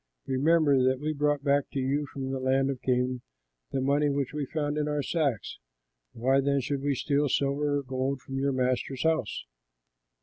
Remember that we brought back to you from the land of Canaan the money which we found in our sacks. Why then should we steal silver or gold from your master's house?